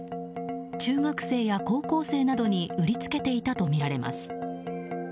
中学生や高校生などに売りつけていたとみられます。